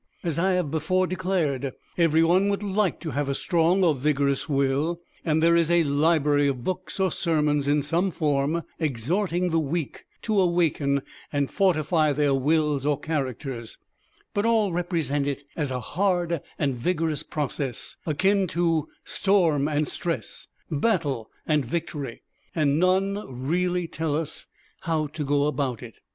As I have before declared, everyone would like to have a strong or vigorous will, and there is a library of books or sermons in some form, exhorting the weak to awaken and fortify their wills or characters, but all represent it as a hard and vigorous process, akin to "storm and stress," battle and victory, and none really tell us how to go about it.